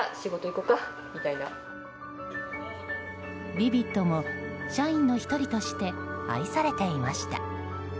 ヴィヴィッドも社員の１人として愛されていました。